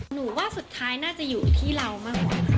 หนูว่าสุดท้ายน่าจะอยู่ที่เรามากกว่า